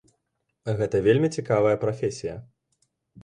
Гэта вельмі цікавая прафесія.